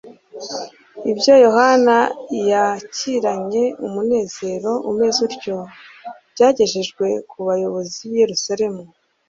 ibyo Yohana yakiranye umunezero umeze utyo, byagejejwe ku bayobozi b’i Yerusalemu